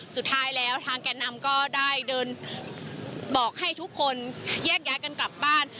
สุดท้ายแล้วทางแก่นำก็ได้เดินบอกให้ทุกคนแยกย้ายกันกลับบ้าน